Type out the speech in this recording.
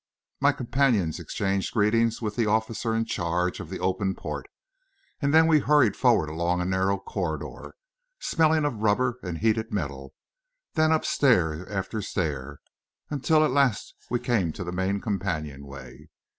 My companions exchanged greetings with the officer in charge of the open port, and then we hurried forward along a narrow corridor, smelling of rubber and heated metal, then up stair after stair, until at last we came to the main companionway.